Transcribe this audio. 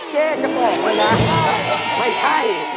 เจ๊จะบอกไว้นะไม่ใช่